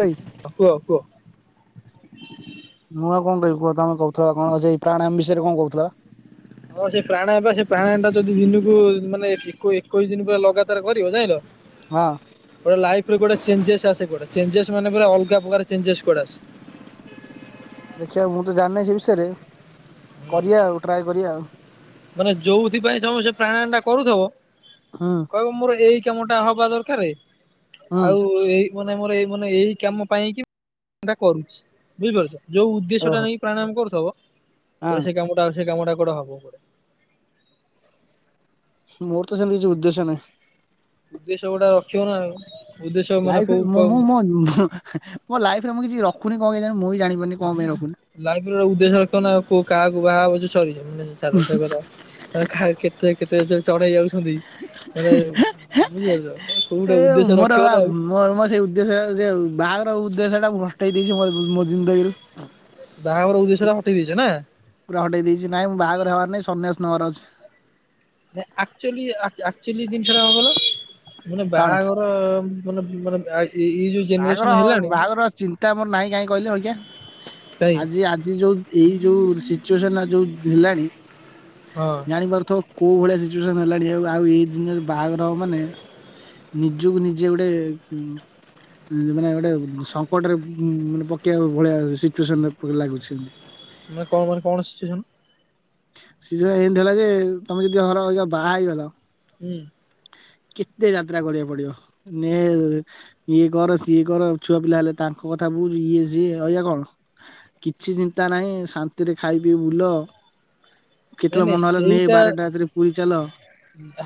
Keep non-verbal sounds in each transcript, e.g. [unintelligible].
ଭାଇ ହଁ କୁହ କୁହ। କଣପାଇଁ କୁହ ତମେ କହୁଥିଲ କଣଇ ପ୍ରାଣାୟାମ ବିଷୟରେ କଣ କହୁଥିଲ ବା। ହଁ ସେ ପ୍ରାଣାୟ ବା ସେ ପ୍ରାଣାୟ ଟା ଯଦି ଦିନକୁ ମାନେ ଏକୋଇଶି ଦିନ ପୁରା ଲଗାତାର କରିବ ଜାଇଲ। ହଁ। ଲାଇଫ୍ ରେ ଗୋଟେ ଚଞ୍ଜେ ଆସେ, ଗୋଟେ ଚେଞ୍ଜେ ମାନେ ପୁର ଅଲଗା ପ୍ରକାର ଚଞ୍ଜେଟେ ଆସେ। ଦେଖିବା ମୁଁ ତ ଜାଣିନାହିଁ ସେ ବିଷୟରେ କରିବା ଆଉ ଟ୍ରାଏ କରିବା ଆଉ। ମାନେ ଯୋଉଥି ପାଇଁ ତମେ ସେ ପ୍ରାଣାୟାମ ଟା କରୁଥିବ। ହୁଁ କହିବ ମୋର ଏଇ ତ ମୋଟା ହବା ଦରକାର, ହୁଁ ଆଉ ଏଇ ମାନେ ମୋର ଏଇ ମାନେ ଏଇ କାମ ପାଇଁ କି ମୁଁ ପ୍ରାଣାୟମ କରୁଛି। ବୁଝିପାରୁଛ? ଯୋଉ ଉଦ୍ଦେଶ୍ୟ ଟା ଓହୋ। ନେଇି ପ୍ରାଣୟାମ କରୁଥବ ହଁ ପରେ ସେ କାମଟା ସେ କାମ ଟା ପରେ ହବା ଉପରେ। ମୋର ତ ସେମିତି କିଛି ଉଦ୍ଦେଶ୍ୟ ନାହିଁ। ଉଦ୍ଦେଶ୍ୟ ଗୋଟା ରଖିବ ନା ଆଉ ଉଦ୍ଦେଶ୍ୟ ମାନେ ଲାଇଫ୍ ରେ କୋଉ ମୁଁ କ ମୋ ଲାଇଫରେ ମୁଁ କିଛି ରଖୁନି କଣ ମୁଁ ବି ଜାଣିପାରୁନି କଣ ପାଇଁ ରଖୁନି ଲାଇଫ୍ ର ଉଦ୍ଦେଶ୍ୟ ତ ନା କିଏ କାହାକୁ ବାହା ହେବ ନା ସରିଯିବ। ହଉ ଛାଡ଼ ସେ କଥା କାହାକୁ କେତେ କେତେ ଯେ ଚଢ଼େଇଯାଉଛି? କୋଉଟା [inaudible] ଏ ଉଦ୍ଦେଶ୍ୟ ମୋର ରଖିବ ନା ଆଉ ମୋ ମୋ ସେଇ ଉଦ୍ଦେଶ୍ୟ ଯେ ବାହାଘର ଉଦ୍ଦେଶ୍ୟ ଟା ହଟେଇ ହଟେଇ ଦେଇଛି ମୋ ଜିନ୍ଦଗିରୁ। ବାହାଘର ଉଦ୍ଦେଶ୍ୟ ଟା ହଟେଇ ଦେଇଛ ନା। ପୁରା ହଟେଇ ଦେଇଛି। ନାଇଁ ମୁଁ ବାହାଘର ହବାର ନାହିଁ ସନ୍ନ୍ୟାସ ନାରାଜ ଆକଚୁଆଲି ଆକଚୁଆଲି ଜିନିଷଟା କଣ କହିଲ ମାନେ କଣ? ବାହାଘର ମାନେ ଭୁଗଣ [unintelligible] ବାହାଘର, ବାହାଘର ଚିନ୍ତା ମୋର ନାହିଁ କାହିଁ କହିଲେ ଆଖ୍ୟା ଭାଇ ଆଜି ଆଜି ଯୋଉ ଏଇ ଯୋଉ ସିଚୁଏସନ୍ ସିଚୁଏସନ୍ ଯୋଉ ହେଲାଣି ହଁ ଜାଣିପାରୁଥିବ କୋଉ ଭଳିଆ ସିଚୁଏସନ ହେଲାଣି ଆ ଆଉ ଏଇ ଜିନିଷ ବାହାଘର ମାନେ ନିଜକୁ ନିଜେ ଗୋଟେ ମାନେ ଗୋଟେ ସଙ୍କଟରେ ମାନେ ପକେଇବା ଭଳିଆ ସିଚୁଏସନ ଲାଗୁଛି ଏମିତି। ମାନେ କଣ ମାନ କଣ ସିଚୁସନ? ସେ ଜଣ ଏମିତି ହେଲା ଯେ ତମେ ଯଦି ଅହ ରହ ବାହା ହେଇଗଲ ହୁଁ। କେତେ ଯାତ୍ରା କରିବାକୁ ପଡ଼ିବ ନ ଇଏ କର ସିଏ କର ଛୁଆ ପିଲା ହେଲେ ତାଙ୍କୁ କଥା ବୁଝ ଇଏ ସିଏ ଐଖା କଣ କିଛି ଚିନ୍ତା ନାହିଁ ଶାନ୍ତିରେ ଖାଇ ପିଇ ବୁଲ। ନାଇଁ କେତେବେଳେ ନାଇଁ ମନ ହେଲା ନେ ସେଇଟା ବାରଟା ରାତିରେ ପୁରୀ ଚାଲ।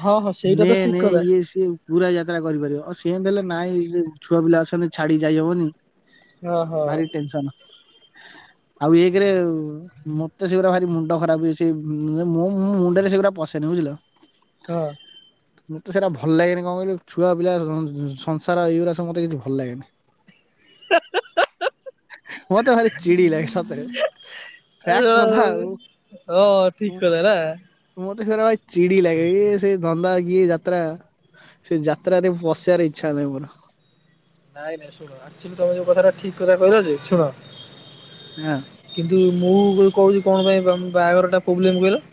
ହଁ ହଁ ସେଇଟା ତ ନେ ଠିକ ନେ କଥା ଇଏ ସିଏ ପୁରା ଯାତ୍ରା କରିପାରିବ, ଆଉ ସିଏ ହେଲେ ନାଇଁ ଛୁଆ ପିଲା ଅଛନ୍ତି ଛାଡ଼ି ଯାଇହବନି। ହଁ ହଁ। ଭାରି ଟେନସନ। ଆଉ ଏକରେ ମତେ ସେଗୁଡ଼ା ଭାରି ମୁଣ୍ଡ ଖରାପଏ ସେ ମୁଣ୍ଡରେ ସେଗୁଡ଼ା ପଶେନି। ବୁଝିଲ। ହଁ। ମୋତେ ସେଇଟା ଭଲ ଲାଗେନି କଣ କହିଲି ଛୁଆ ପିଲା ସଂସାର ଏଇଗୁରା ସବୁ ମତେ କିଛି ଭଲ ଲାଗେନି। ମତେ ଭାରି ଚିଡ଼ି ଲାଗେ। ସତରେ ଫ୍ୟାକ୍ଟ କଥା ହଁ ଆଉ। ଠିକ କଥା ନା। ମତେ ଭାରି ଚିଡ଼ି ଲାଗେ ସେଇ ଧନ୍ଦା କି ଯାତ୍ରା ଯାତ୍ରା ସେ ଯାତ୍ରାରେ ବସିବାର ଇଚ୍ଛା ନାହିଁ ମୋର। ନାଇଁ ନାଇଁ ଶୁଣ ଆକଚୁଆଲି ତମେ ଯୋଉ କଥାଟା ଠିକ୍ କଥା କହିଲ ଯେ ଶୁଣ ହଁ। କିନ୍ତୁ ମୁଁ କହୁଛି କଣ ପାଇଁ ବାହାଘର ଟା ପ୍ରୋବ୍ଲେମ କହିଲ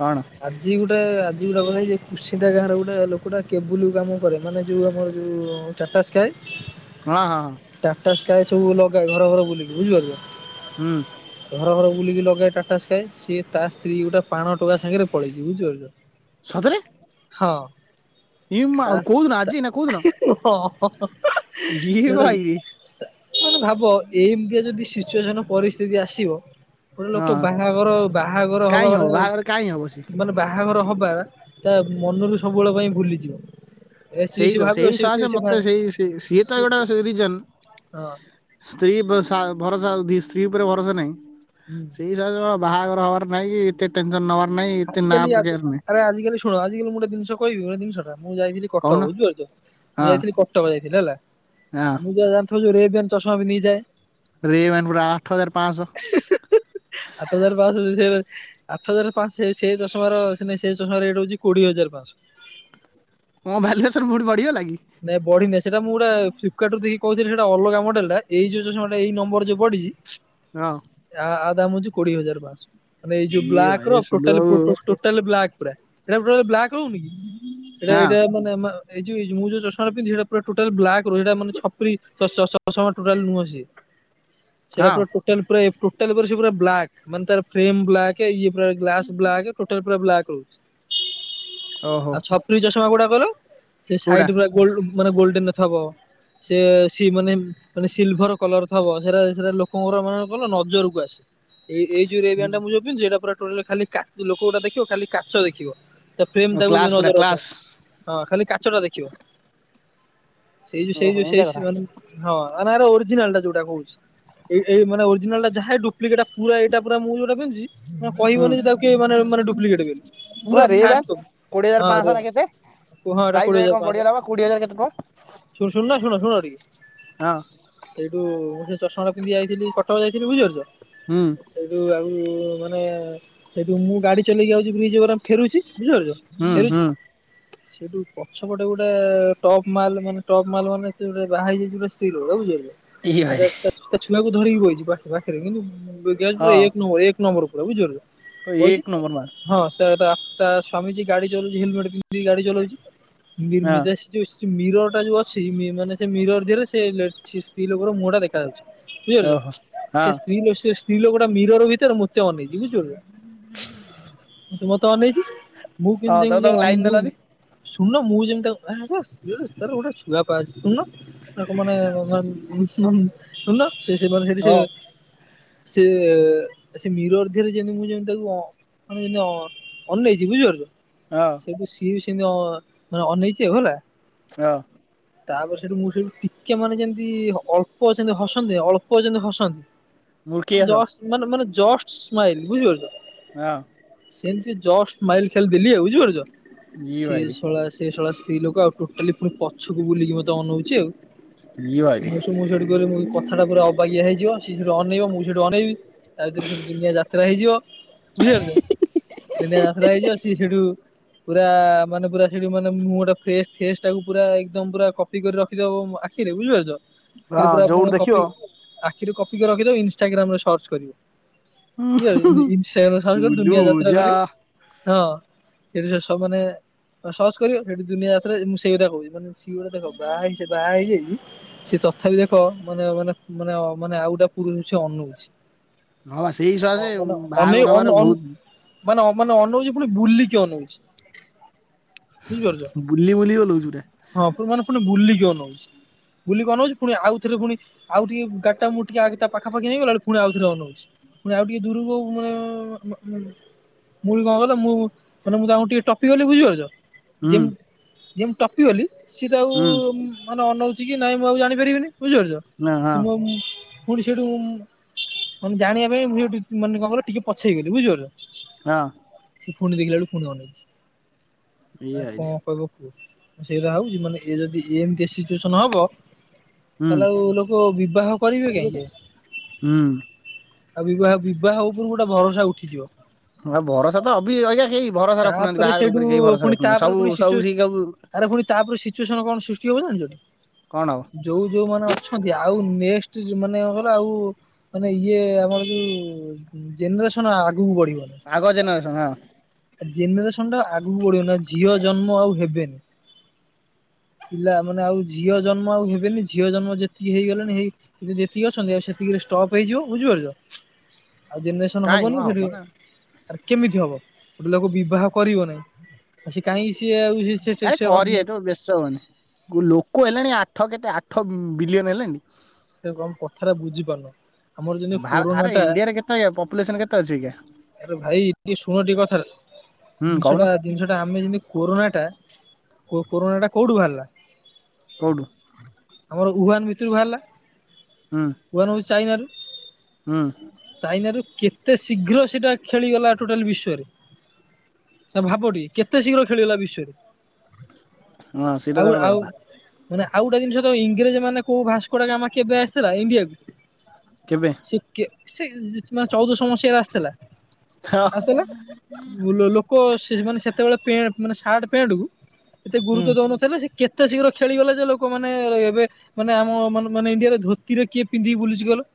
କଣ? ଆଜି ଗୋଟେ ଆଜି ଗୋଟେ କଥାଇ କୃଷିଟା ଗାଁରେ ଗୋଟେ ଲୋକଟା କେବୁଲ କାମ କରେ ମାନେ ଯୋଉ ଆମର ଯଉ ଚା ଟାଟାସ୍କୟା - କଣ? ହଁ ହଁ। ଏଠାରେ ସବୁ ଲଗାଏ ଘର ଘର ବୁଲିକି ବୁଝିଲତ ହୁଁ ଘର ଘର ବୁଲିକି ଲଗାଏ। ଟାଟାସ୍କାୟ ସିଏ ତା ସ୍ତ୍ରୀ ଗୋଟେ ପାଣ ଟୋକା ସାଙ୍ଗରେ ପଳେଇଛି ବୁଝିପାରୁଛ। ସତରେ? ହଁ ଇ ମା ତା କୋଉଦିନ ତା ଆଜି ନା କୋଉଦିନ? ହଁ। ଇଏ ଭାଇରେ ମାନେ ଭାବ ଏମିତିଆ ଯଦି ସିଚୁଏସନ ପରିସ୍ଥିତି ଯଦି ଆସିବ ଗୋଟେ ଲୋକ ହଁ ବାହାଘର ବାହାଘର ହବ କାଇଁ ମାନେ ବାହାଘର କାଇଁ ହବ ସିଏ। ମାନେ ବାହାଘର ହବ ତା ମନରୁ ସବୁବେଳ ପାଇଁ ଭୁଲିଯିବ। ଏ ସିଏ ସେଇ ସିଏ ତ ଭାବିବ ସେଇ ସିଏ ସିଏ ସକାଶେ ସିଏ ମତେ ସେଇ ସିଏ ତ ଗୋଟା ରିଜନ ହଁ ସ୍ତ୍ରୀ ଭରସା ସ୍ତ୍ରୀ ଉପରେ ଭରସା ନାହିଁ। ହୁଁ। ସେଇ ହିସାବରେ ବାହାଘର ହବାର ନାହିଁ କି ଏତେ ଟେନସନ ନବାର ନାଇଁ ଏତେ ନା ଆଜିକାଲି ପକେଇବାର ନାହିଁ ଆରେ ଆଜିକାଲି ଶୁଣ ଆଜିକାଲି ମୁଁ ଗୋଟେ ଜିନିଷ ବଢିଆ ଜିନିଷ ଟା ମୁଁ ଯାଇଥିଲି କଟକ କହୁନ। ବୁଝିପାରୁଛ ମୁଁ ହଁ ଯାଇଥିଲି କଟକ ଯାଇଥିଲି ହେଲା। ହଁ ମୁଁ ଯାହା ଜାଣିଥିବୁ ରେବ୍ୟାନ୍ ଚଷମା ପିନ୍ଧିକି ଯାଏ। ରେବ୍ୟାନ୍ ଗୁଡା ଆଠ ହଜାର ପାଞ୍ଚଶହ। ଆଠ ହଜାର ପାଂଶ ସେ ଆଠ ହଜାର ପାଞ୍ଚସହ ସେ ସମୟର ରେଟ ହଉଛି କୋଡିଏ ହଜାର ପାଞ୍ଚସହ। ମୋ ଭାଲୁଆସନ ପୁଣି ବଢିଗଲା କି? ନାଇଁ ବଢିନି ସେଟା ମୁଁ ଫ୍ଲିପ କାର୍ଡ ରୁ ଦେଖିକି କହୁଥିଲି ସେଇଟା ଅଲଗା ମଡେଲ ଟା ଏଇ ଯୋଉ ଜିନଷ ଯୋଉ ଏଇ ନମ୍ବର ଯୋଉ ପଢିଛି ହଁ ଆ ଦାମ ହୋଉଛି କୋଡିଏ ହଜାର ପାସହ ମାନେ ଏଇ ଯୋଉ ଇଏ ବ୍ଲାକ ର ଭାଇରେ ସୁଲୁ ବାବୁ ଟୋଟାଲୀ ବ୍ଲାକ ପୁରା ବ୍ଲାକ ହଉନି କି ସେଇଟା ହଁ ଏଇଟା ମାନେ ଏଇ ମୁଁ ଯୋଉ ତୁ ଯୋଉ ଚଷମା ତା ପିନ୍ଧିନୁ ସେଇଟା ପୁରା ଟୋଟାଲି ବ୍ଲାକ ରୁ ମାନେ ସେଇଡା ଛପରି ଚଷମା ନୁହଁ ସେ। ସେଇଟା ହଁ ପୁରା ଟୋଟାଲୀ ଟୋଟାଲୀ ପା ପୁରା ବ୍ଲାକ୍ ମାନେ ଫ୍ରେମ ବ୍ଲାକ ଇଏ ଗ୍ଲାସ ବ୍ଲାକ ଟୋଟାଲୀ ପୁରା ବ୍ଲାକ ରହୁଛି। ଓହୋ ଆଉ ଛପ୍ରି ଚଷମା କୌଡା କହିଲୁ ସେ କୋଉଟା? ସାଇଡ ଗୁ୍ରା ଗ୍ଲୋଡେନ ଥିବ। ସେ ସି ମାନେ ମାନେ ସିଲଭର କଲର ଥବ ସେଟା ସେଟା ଲୋକମାଙ୍କର କଣ କହିଲ ନଜରକୁ ଆସେ। ଏଇ ଏଇ ଯୋଉ ରେବ୍ୟାନ୍ ଟା ମୁଁ ଯୋଉ ପିନ୍ଧୁଛି ଏଇଟା ପୁରା ଟୋଟାଲୀ ଖାଲି କାଚ ଲୋକ ଗୁଡା ଦେଖିବ ଖାଲି କାଚ ଦେଖିବ। ତା ଓ ଫ୍ରେମ ତାକୁ କ୍ଲାସ ପୁରା ନଜର ଆସିବ କ୍ଲାସ ହଁ ଖାଲି କାଚ ଟା ଦେଖିବ। ସେଇ ଯୋଉ ସେଇ ଓହୋ ଯୋଉ ଏମିତିଆ କଥା ସେଇାନେ ହଁ ଓରିଜିନାଲ ଟା ଯୋଉଟା କହୁ। ଏଇ ଏଇ ମେ ଓରିଜିନାଲା ଟା ଯାହା ଡୁପ୍ଲିକେଟ ପୁରା ଏଇଟା ପୁରା ମୁଁ ଯୋଟା ହୁଁ ରେବ୍ୟାନ୍ ମାନେ କୋଡିଏ ଡୁପ୍ଲିକେଟ ବୋଲି। ହଜାର ପୁରା ପାଞ୍ଚଶହ ଫାଷ୍ଟ ନା କେତେ କେତେ? କୁହ ଏଇଟା ପ୍ରାଇସ୍ କୋଡ଼ିଏ ରେ ହଜାର କଣ ପାସହ ବା। ବଢିଗଲା କୋଡିଏ ହଜାର ଟଙ୍କା? ଶୁଣୁନା ଶୁଣ ଶୁଣ ନ ଟିକେ ହଁ ସେଇଠୁ ମୁଁ ସେ ଚଷମଟା ପିନ୍ଧିକି ଯାଇଥିଲି କଟକ ଯାଇଥିଲି ବୁଝିପାରୁଛ ହୁଁ ସେଇଠୁ ଆଉ ମାନେ ସେଇଠୁ ମୁଁ ଗାଡି ଚଲେଇକି ଯାଉଛି ବ୍ରିଜ୍ ଉପରେ ଆମେ ଫେରୁଛି ବୁଝିପାରୁଛ ହୁଁ ହୁଁ ଫେରୁଛି ସେଠୁ ପଛପଟେ ଗୋଟେ ଟପ ମାଲ୍ ମାନେ ଟପ୍ ମାଲ ମାନେ ବାହାହେଇଯାଇଛି ଗୋଟେ ସ୍ତ୍ରୀ ଲୋକ ଇଏ ଭାରି ବୁଝିିଲ ତା ଛୁଆକୁ ଧରିକି ବଇଛି ପାଖରେ କିନ୍ତୁ ଗ୍ଲାସ ପୁରା ଏକ ନମ୍ବର ଏକ ନମ୍ବର ପୁରା ବୁଝିପାରୁଛ ପୁରା ବଇଛି ଏକ ନମ୍ବର ମାଲ। ହଁ ତା ସ୍ୱାମୀ ଯେ ଗାଡି ଚଳଉଛି ହେଲମେଟ ପିନ୍ଧି ଗାଡି ଚଲଉଛି। [unintelligible] ହଁ ମୀରର ଯୋଉ ଅଛି ମାନେ ସେ ମିରର ଦିହରେ ସେ ସ୍ତ୍ରୀ ଲୋକର ମୁଁହ ଟା ଦେଖାଯାଉଛି। ବୁଝିପାରୁଛ ଓହୋ ହଁ ସେ ସ୍ତ୍ରୀ ସେ ସ୍ତ୍ରୀ ଲୋକଟା ମିରର ଭିତରେ ମତ ଅନେଇଛି ବୁଝିପାରୁଛ। ତ ମତେ ଅନେଇଛି ମୁଁ ହଁ ତମେ ତାକୁ ଲାଇନ ଦେଲନି କେମିତି ମୁଁ ଯେମିତି ତାର ଗୋଟେ ଛୁଆ ପା ଅଛି ମାନେ ଶୁଣୁନ [unintelligible] ହଁ ସେ ସେ ମିରର ଦିହରେ ଯେମିତି ମୁଁ ଯେମିତି ତାକୁ ଅ ମାନେ ଯେତି ଅନେଇଛି ବୁଝିପାରୁଛ ହଁ ସେଇଠୁ ସିଏ ବି ସେମିତି ମାନେ ଅନେଇଛି ଆଉ ହେଲା। ହଁ। ତାପରେ ସେଠୁ ମୁଁ ସେଠୁ ଟିକେ ମାନେ ଯେମିତି ଅଳ୍ପ ଅଛନ୍ତି ହସନ୍ତି ଅଳ୍ପ ଯେମତି ହସନ୍ତି। ମୁଡ଼କି ମାନେ ଘାସ ଜଷ୍ଟ ମାନେ ଜଷ୍ଟ ସ୍ମାଇଲ ବୁଝିପାରୁଛ ହଁ। ସେମିତି ଜଷ୍ଟ ସ୍ମାଇଲ୍ ଖାଲି ଦେଲି ଆଉ ବୁଝିପାରୁଛ! ଇ ସେ ଭାଇରେ। ଶଳା ସେ ଶଳା ସ୍ତ୍ରୀ ଲୋକ ଆଉ ଟୋଟାଲି ପୁଣି ପଛକୁ ବୁଲିକି ମତେ ଆନଉଛି ଆଉ। ଇ ଭାଇରେ ମୁଁ ସୁ ମୁଁ ସେଉଠୁ କହିଲି କଥାଟା ପୁରା ଅବାଗିଆ ହେଇଯିବ ସିଏ ସୋଉଠୁ ଅନେଇବ ମୁଁ ସେଠୁ ଅନେଇବି। ତା ଭିତରେ ସେଠୁ ଦୁନିଆ ଯାତ୍ରା ହେଇଯିବ ବୁଝିପାରୁଛ। ଦିନେ ଯାତ୍ରା ହେଇଯିବ ସିଏ ସେଉଠୁ ପୁରା ମାନେ ପୁରା ସେଉଠୁ ମାନେ ମୁଁହଁଟା ଫ୍ରେସ୍ ଫେସ୍ ଟାକୁ ପୁରା ଏକଦମ ପୁରା କପି କରି ରଖିଦବ ଆଖିରେ ବୁଝିପାରୁଛ ହଁ ଆଖିରେ ଯୋଉଠି ପୁରା ଦେଖିବ କପି ଆଖିରେ କପି କରି ରଖିଦବ ଇନଷ୍ଟାଗ୍ରାମ ରେ ସର୍ଚ୍ଚ କରିବ। ହୁଁ ବୁଝିପରୁଚ ଇନ୍ଷ୍ଟାଗ୍ରାମରେ ସର୍ଚ୍ଚ କରି ସୁଲୁ ଦୁନିଆ ଯାତ୍ରା ଯା କରିବ। ହଁ ସେଠି ସବୁ ମାନେ ସର୍ଚ୍ଚ କରିବ ସେଠି ଦୁନିଆ ଯାତ୍ରା। ମୁଁ ସେଇ କଥା କହୁଛିି ମାନେ ଗୋଟେ ଦେଖ ବାହା ହେଇ ବାହା ହେଇଯାଇଛି ସେ ତଥାପି ଦେଖ ମାନେ-ମାନେ- ମାନେ- ମାନେ ଆଉ ଗୋଟେ ପୁରୁଷକୁ ସେ ଅନଉଛି। ହଁ ବା ସେଇ ହଁ, ସକାଶେ ମାନେ ଅନେଇ ବାହାଘର ଅନ ହବାର ଅନ ବହୁତ ମାନେ ମାନେ ଅନଉଛି ପୁଣି ବୁଲିକି ଅନଉଛି। ବୁଝିପାରୁଛ, ବୁଲି ବୁଲି ଗଲୁ ପୁରା ହଁ ପୁରା ମାନେ ପୁଣି ବୁଲିକି ଅନଉଛି। ବୁଲିକି ଅନଉଛି ପୁଣି ଆଉଥରେ ପୁଣି ଆଉଟିକେ ଗାଡିଟା ମୁଁ ଟିକେ ତା ପାଖା ପାଖି ନେଇଗଲା ବେଳକୁ ପୁଣି ଆଉଥରେ ଅନଉଛି। ପୁଣି ଆଉ ଟିକେ ଦୂରକୁ ମ - ମ ମୁଁ ବି କଣ କହିଲ, ମୁଁ ମାନେ ମୁଁ ତାଙ୍କୁ ଟିକେ ଟପିଗଲି ବୁଝିପା ହୁଁ ଯେମିତି ଯେମିତି ଟପି ଗଲି ସିଏତ ଆଉ ହୁଁ ମାନେଅନଉଛି କି ନାଇଁ ମୁଁ ଆଉ ଜାଣିପାରିବିନି ବୁଝିପାରୁଛ। ହଁ ସେ ହଁ ମୋ ପୁଣି ସେଇଠୁ ମାନେ ଜାଣିବା ପାଇଁ ମୁଁ ସେଇଠୁ ମାନେ କହିଲ ଟିକେ ପଛେଇଗଲି ବୁଝିପାରୁଛ। ହଁ ସେ ପୁଣି ଦେଖିଲା ବେଳକୁ ପୁଣି ଅନେଇଛି। ଏଇ ଆ ଆଇଲି କଣ କହିବ କୁହ। ମୁଁ ସେଇକଥା ଭାବୁଚି ସେଇଟା ମାନେ ଏ ଯଦି ଏମତିଆ ସିଚୁଏସନ୍ ହବ ହୁଁ ତାହେଲେ ଆଉ ଲୋକ ବିବାହ କରିବେ କାହିଁକି? ହୁଁ ଆଉ ବିବାହ ବିବାହ ଉପରୁ ଗୋଟେ ଭରସା ଉଠିଯିବ। ଆ ଭରସା ତ ଅଭି ଅଇକା କେହି ଭରସା ରଖୁନାହାନ୍ତି ତାପରେ ବାହାଘର ସେଇଠୁ ଉପରେ କେହି ଭରସା ପୁଣି ରଖୁନାହାନ୍ତି। ତାପରେ ସବୁ ସବୁ ସେଇ ସବୁ ସିଚୁଏସନ୍ କଣ ସୃଷ୍ଟି ହବ ଜାଣିଚଟି। କଣ ହବ ଯୋଉ ଯୋଉମାନେ ଅଛନ୍ତି ଆଉ ନେକ୍ସଟ ମାନେ କଣ କହିଲ ଆଉ ମାନେ ଇଏ ଆମର ଯୋଉ ଜେନେରେସନ୍ ଆଗ ଜେନେରେସନ୍ ହଁ। ଜେନେରେସନ୍ ଟା ଆଗକୁ ବଢିବ ନା ଝିଅ ଜନ୍ମ ଆଉ ହେବେନି। [inaudible] ପିଲା ମାନେ ଆଉ ଝିଅ ଜନ୍ମ ଆଉ ହେବେନି। ଝିଅ ଜନ୍ମ ଯେତିକି ହେଇଗଲେଣି ହେଇ ଯେତିକି ଅଛନ୍ତି ଆଉ ସେତିକି ଷ୍ଟପ୍ ହେଇଯିବ ବୁଝିପାରୁଛ। [inaudible] ଆଉ ଜେନେରେସନ୍ କାଇଁ ମ ହବନି ହବ ସେଠୁ ନା ଆଉ କେମିତି ହବ? ଗୋଟେ ଲୋକ ବିବାହ କରିବ ନାହିଁ ତ ସେ କାଇଁ। ଆରେ କରିବେ ତମେ ବ୍ୟସ୍ତ ହୁଅନି ଲୋକ ହେଲେଣି। ଆଠ କେତେ ଆଠ ବିଲିୟନ ହେଲେଣି। ସେ କଣ କଥାଟା ବୁଝିପାରୁନ ଆମର ଯେମତି ଭା କୋରୋନା ଆରେ ଟା ଇଣ୍ଡିଆରେ କେତେ ପପୁଲେସନ କେତେ ଅଛି ଅଇକା ଏବେ ଭାଇ ଟିକ ଶୁଣ ଟିକେ କଥାଟା। ହୁଁ ଜିନିଷ କହୁନ ଟା ଜିନିଷ ଟା ଆମେ ଯେମିତି କୋରୋନା ଟା କୋରୋନା ଟା କୋଉଠୁ ବାହାରିଲା? କୋଉଠୁ? ଆମର ଉହାନ ଭିତରୁ ବାହାରିଲା ହୁଁ ଉହାନ ହଉଚି ଚାଇନାରୁ। ହୁଁ ଚାଇନାରୁ କେତେ ଶୀଘ୍ର ସେଟା ଖେଳିଗଲା ଟୋଟାଲ ବିଶ୍ଵରେ। ସେଟା ଭାବ ଟିକେ କେତେ ଶୀଘ୍ର ଖେଳଗଲା ବିଶ୍ଵରେ। ହଁ ସେଇଟା ତ ଆଉ ସତ ଆଉ କଥା ମାନେ ଆଉ ଗୋଟା ଜିନିଷ‌। ଇଂରେଜ ମାନେ କୋଉ ଭସ୍କୋଡାଗାମା କେବେ ଆସିଥିଲା ଇଣ୍ଡିଆକୁ କେବେ ସେ କେ ସେ ଜି ମାନେ ଚଉଦଶ ମସିହାରେ ଆସିଥିଲା। ହଁ ଆସିଥିଲା ଲୋ ଲୋକ ସେ ମାନେ ସେତେବେଳେ ପେଁ ମାନେ ସାର୍ଟ। ପେଣ୍ଟ କୁ ଏତେ ହୁଁ ଗୁରୁତ୍ୱ ଦଉନଥିଲେ ସେ କେତେ ଶୀଘ୍ର ଖେଳିଗଲା ଯେ ଲୋକ୍ ମାନେ ରେ ଏବେ ମାନେ ଆମ ମନ୍ ମାନେ ଇଣ୍ଡିଆରେ ଧୋତିରେ କିଏ ପିନ୍ଧି‌ କି ବୁଲୁଚି କଇଲ?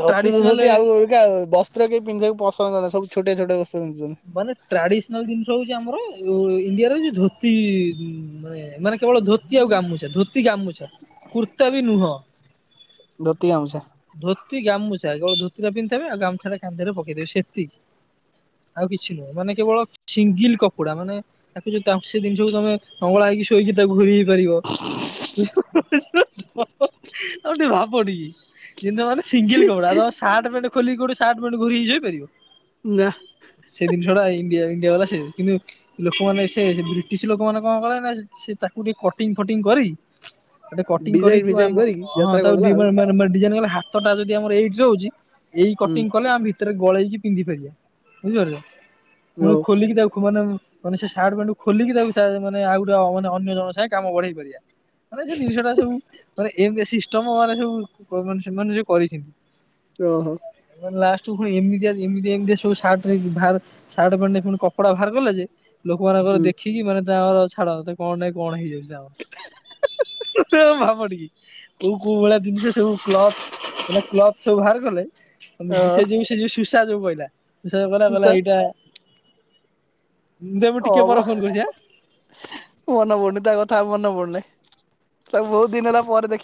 ଧୋତି ତ ଧୋତି ଆଉ ଅବିକା ବସ୍ତ୍ର କେହି ପିନ୍ଧିଆକୁ ପସନ୍ଦ କରୁନାହାଁନ୍ତି ସବୁ ଛୋଟଆ ଛୋଟଆ ବସ୍ ମାନେ ଟ୍ରାଡିସନାଲ ଦିନଷ୍ ଯୋଉ ହଉଚି ଆମର ଏ ଇଣ୍ଡିଆ ର ହଉଚି ଧୋତି ମାନେ ମାନେ କେବଳ ଧୋତି ଆଉ ଗାମୁଛା ଧୋତି ଗାମୁଛା କୁର୍ତ୍ତା ବି ନୁହଁ। ଧୋତି ଗାମୁଛା। ଧୋତି ଗାମୁ ଚ଼ା କେବଳ ଧୋତି ଟା ପିନ୍ଧିଥିବେ ଆଉ ଗାମୁଛା ଟା କାନ୍ଧରେ ପକେଇଥିବେ ସେତିକି। ଆଉ କିଛି ନୁହଁ ମାନେ କେବଳ ସିଙ୍ଗିଲ୍ କପଡା ମାନେ ତାକୁ ଯଦି ତା ସେ ଦିନିଷକୁ ତମେ! ! ! ! ! ! ! ! ! ! ହେଇକି ଶୋଇ ତିକି ତାକୁ ଫେରେ ଇଏ କରିବ। [unintelligible] ତମେ ଟିକେ ଭାବ ଟିକେ। ଜିନିଷ ମାନେ ସିଙ୍ଗିଲ୍ କପଡା ଆଉ ତମେ ସାର୍ଟେ, ପେଣ୍ଟେ ଖୋଲିକି କୋଉଠି ସାର୍ଟ, ପେଣ୍ଟେ ଘୋରି ହେଇକି ଶୋଇପାରିବ? ନା‌। ସେ ଜିନିଷଟା ଇଣ୍ଡିଆ ଇଣ୍ଡିଆ ବାଲା ସେ କିନ୍ତୁ ଲୋକମାନେ ସେ ବ୍ରିଟିଶ୍ ଲୋକମାନେ କଁ କଳେ ନା ସେ ତାକୁ ଟିକେ କଟିଙ୍ଗ୍ ଫଟିଙ୍ଗ୍ ଟିଙ୍ଗ୍ କରି ତାକୁ ଟିକେ କଟିଙ୍ଗ୍ ଡିଜାଇନ କରିକୁ ଫିଜାଇନ ଆମ କରିକି ଅ ହଁ ଯାତ୍ରା ତାକୁ କରିଦେଲା ଡି ମ ଆଉ ମ ମାନେ ମାନେ ଡିଜାଇନ୍ ବାଲା ହାତ ଟା ଯଦି ଆମର ଏଇଠି ରହୁଚ଼ି ଏଇ କଟିଂ କଲେ ଆମେ ଭିତରେ ଗଳେଇକି ପିନ୍ଧି ପାରିବା। ବୁଝି ପାରୁଚ଼ ହୁଁ ପୁଣି ଓ ଖୋଲିକି ତାକୁ। ଖୁ ମାନେ ଉ ମାନେ ସେ ସାଟେ, ପେଣ୍ଟେ କୁ ଖୋଲିକି ତାକୁ ସେ ମାନେ ଆଉ ଗୋଟେ ଅ ଅନ୍ୟ ଅନ୍ୟ ଜଣଙ୍କ ସାଙ୍ଗେ କାମ ବଢେଇ ପାରିବା। ମାନେ ସେ ଦିନିଷଟା ସବୁ ମାନେ ଏମତିଆ ସିଷ୍ଟମ ମାନେ ସବୁ କ ସେମାନେ ଯୋଉ କରିଚ଼ିନ୍ତି। ଓ ହୋ।। ଲାଷ୍ଟ କୁ ଫୁଣି ଏମିତିଆ ଏମିତିଆ ଏମତିଆ ସବୁ ସାଟ୍ ରେ ଭାବେ ସାଟେ, ପେଣ୍ଟେ ଫୁଣି କପଡା ଭାର୍ କଲା ଯେ ଲୋକ ମାନଙ୍କର ହୁଁ ଦେଖିକି ମାନେ ତାଙ୍କର ଛାଡ ତ କଣ ନାଇ କଣ ହେଇ ଯାଉଚ଼ି ତାଙ୍କର। ସେୟାକୁ ଭାବ ଟିକେ କୋଉ କୋଉ ଭଳିଆ ଦିନିଷ ସବୁ କ୍ଲଥ ମାନେ କ୍ଲଥ ସବୁ ଭାଆର କଲେ। ଅ ତମୁକୁ ସେଇ ଯୋଉ ସେ ଯୋଉ ସୁସା ଯୋଉ କହିଲା ସୁସା ଯୋଉ କହିଲା କଇଲା ତୁଷାର ଏଇଟା ଦେ ମୁଁ ଟିକେ ଅବ ପରେ ଫୋନ କରୁଛି ଆଁ। ମନ ପଡୁନି ତା କଥା ଆଉ ମନେ ପଡ ତୁ ନେ ତାକୁ ବହୁତ୍ ଦିନ ହେଲା ପରେ ଦେଖି